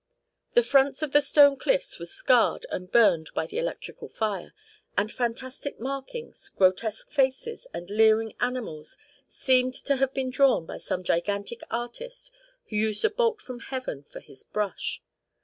The fronts of the stone cliffs were scarred and burned by the electrical fire, and fantastic markings, grotesque faces, and leering animals seemed to have been drawn by some gigantic artist who used a bolt from heaven for his brush.